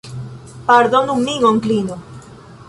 Pardonu min, Onklino.